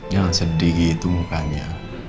jangan sedih gitu mukanya